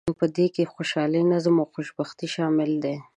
په دې کې خوشحالي، نظم او خوشبیني شامل دي.